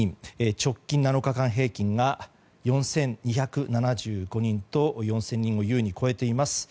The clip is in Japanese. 直近７日間平均が、４２７５人と４０００人を優に超えています。